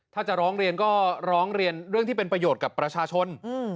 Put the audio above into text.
ถ้าจะร้องเรียนก็ร้องเรียนเรื่องที่เป็นประโยชน์กับประชาชน